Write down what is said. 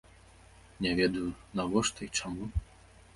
Не ведаю, навошта і чаму.